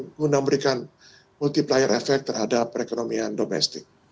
mengundang berikan multiplier efek terhadap perekonomian domestik